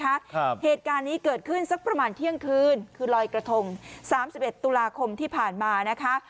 ครับเหตุการณ์นี้เกิดขึ้นสักประมาณเที่ยงคืนคือลอยกระทงสามสิบเอ็ดตุลาคมที่ผ่านมานะคะ